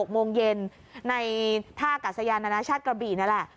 ๖โมงเย็นในท่ากาศยานานาชาติกระบี่นั่นแหละ